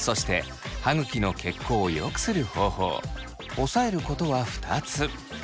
押さえることは２つ。